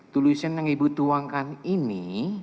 tulisan yang ibu tuangkan ini